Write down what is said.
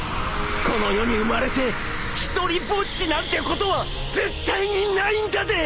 この世に生まれて独りぼっちなんてことは絶対にないんだで！